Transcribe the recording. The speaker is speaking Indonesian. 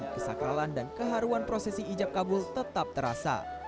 kesakalan dan keharuan prosesi ijab kabul tetap terasa